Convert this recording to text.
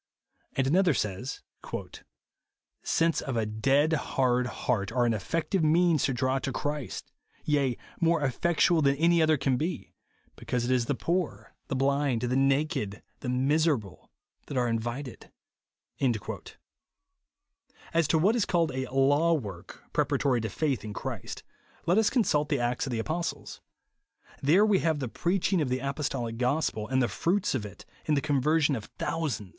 And another says, " Sense of a dead, hard heart are an effec tual means to draw to Christ ; yea, more eifectual than any other can be, because it is the poor, the blind, the naked, the miserable, that are invited." As to what is called a " law work," pre paratory to faith in Christ, let us consult the Acts of the Apostles. There we have the preaching of the apostolic gospel and the fruits of it, in the conversion of thousands.